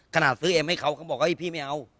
ซื้อเอ็มให้เขาก็บอกว่าพี่ไม่เอา